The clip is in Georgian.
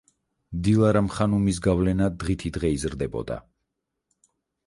დილარამ ხანუმის გავლენა დღითიდღე იზრდებოდა.